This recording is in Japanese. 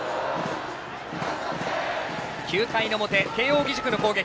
９回の表、慶応義塾の攻撃。